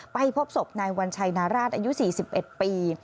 ไปพบศพนายวัญชัยนาราชอายุ๔๑ปี